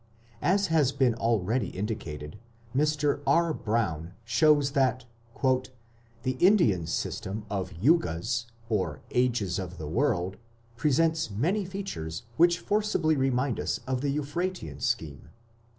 As has been already indicated, Mr. R. Brown, jun., shows that "the Indian system of Yugas, or ages of the world, presents many features which forcibly remind us of the Euphratean scheme".